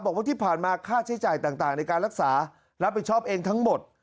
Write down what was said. บอกว่าที่ผ่านมาค่าใช้จ่ายต่างในการรักษารับผิดชอบเองทั้งหมด